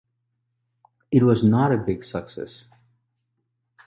It was not a big success.